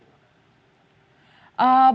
berapa banyak asprof yang minta untuk mengundurkan klb